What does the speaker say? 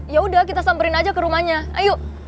yaudah kita samperin aja ke rumahnya ayo